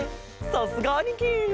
さすがあにき。